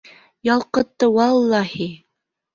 Ялҡытты, валлаһи!